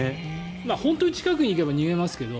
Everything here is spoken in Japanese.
本当に近くに行けば逃げますけど。